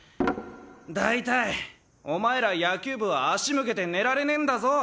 大体お前ら野球部は足向けて寝られねえんだぞ